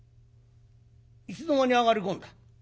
いつの間に上がり込んだ？